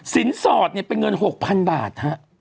สินสอบเป็น๖๐๐๐บาท